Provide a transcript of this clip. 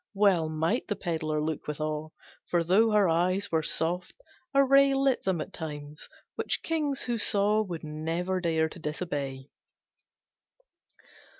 Well might the pedlar look with awe, For though her eyes were soft, a ray Lit them at times, which kings who saw Would never dare to disobey.